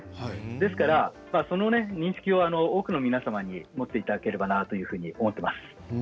ですからその認識を多くの皆様に持っていただければなと思っています。